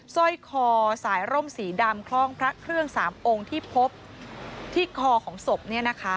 สร้อยคอสายร่มสีดำคล่องพระเครื่อง๓องค์ที่พบที่คอของศพ